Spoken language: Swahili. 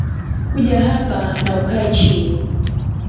Kuja hapa na ukae chini